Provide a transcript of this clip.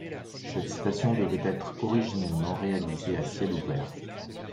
Cette station devait être originellement réalisée à ciel ouvert.